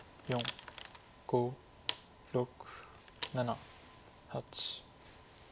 ５６７８。